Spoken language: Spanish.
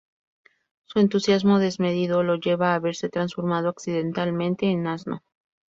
Su entusiasmo desmedido lo lleva a verse transformado accidentalmente en asno.